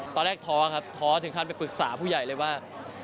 ท้อครับท้อถึงขั้นไปปรึกษาผู้ใหญ่เลยว่า